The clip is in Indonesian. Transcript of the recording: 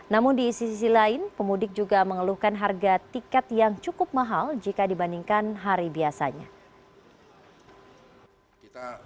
namun di sisi lain pemudik juga mengeluhkan harga tiket yang cukup mahal jika dibandingkan hari biasanya